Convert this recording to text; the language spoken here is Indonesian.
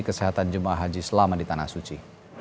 kesehatan jemaah haji selama di tanah suci